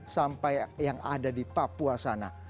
sampai yang ada di papua sana